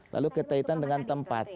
lalu ketahitan dengan terima kasih